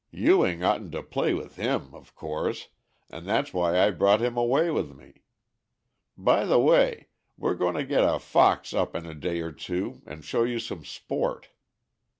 Ewing oughtn't to play with him, of course, and that's why I brought him away with me. By the way, we're going to get a fox up in a day or two and show you some sport.